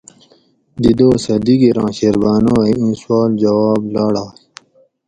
دی دوسہ دِگیراں شیربانو اۤ اِیں سوال جواب لاڑائے